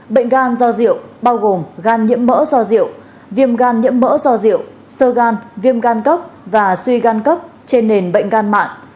bệnh gan do rượu bao gồm gan nhiễm mỡ do rượu viêm gan nhiễm mỡ do rượu sơ gan viêm gan cấp và suy gan cấp trên nền bệnh gan mạng